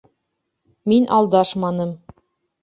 Мин алдашманым.